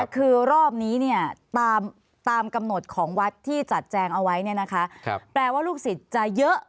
คือรอบนี้ตามกำหนดของวัดที่จัดแจงเอาไว้แปลว่าลูกศิษย์จะเยอะ